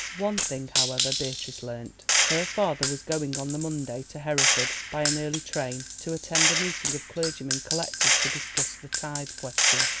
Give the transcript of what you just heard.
One thing, however, Beatrice learnt. Her father was going on the Monday to Hereford by an early train to attend a meeting of clergymen collected to discuss the tithe question.